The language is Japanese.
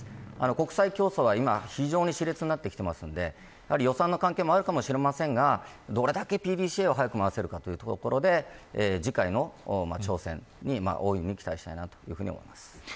国際競争が今非常にし烈になってるので予算の関係もあるかもしれませんがどれだけＰＤＣＡを早く回すかというところで次回の挑戦に大いに期待したいと思います。